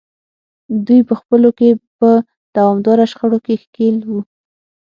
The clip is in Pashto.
دوی په خپلو کې په دوامداره شخړو کې ښکېل وو.